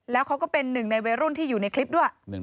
แล้วเขาก็เป็นหนึ่งในวัยรุ่นที่อยู่ในคลิปด้วย